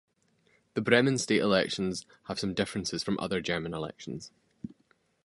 The Bremen state elections have some differences from other German elections.